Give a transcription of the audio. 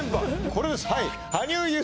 これです